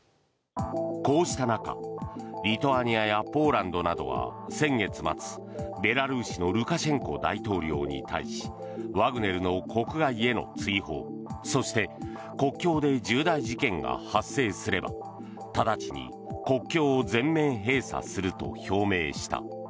こうした中リトアニアやポーランドなどは先月末、ベラルーシのルカシェンコ大統領に対しワグネルの国外への追放そして国境で重大事件が発生すれば直ちに国境を全面閉鎖すると表明した。